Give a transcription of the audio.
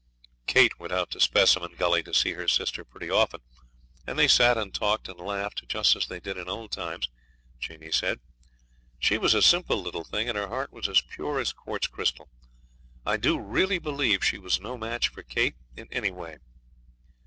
Kate went out to Specimen Gully to see her sister pretty often, and they sat and talked and laughed, just as they did in old times, Jeanie said. She was a simple little thing, and her heart was as pure as quartz crystal. I do really believe she was no match for Kate in any way.